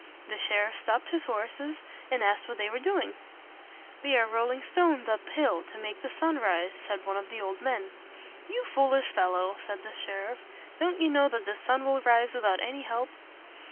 The sheriff stopped his horses, and asked what they were doing. "We are rolling stones up hill to make the sun rise," said one of the old men. "You foolish fellow!" said the sheriff. "Don't you know that the sun will rise without any help?"